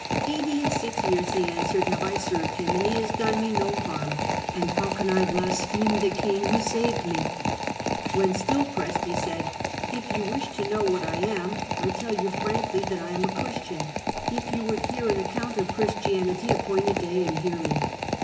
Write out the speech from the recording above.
' Eighty and six years,' he answered, 'have I served him, and he has never done me harm, and how can I blaspheme the king who saved me ?' When still pressed, he said, ' If you wish to know what I am, I tell you frankly that I am a Christian ; if you would hear an account of Christianity, appoint a day and hear me.